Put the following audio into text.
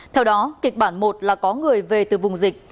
theo đó kịch bản một là có người về từ vùng dịch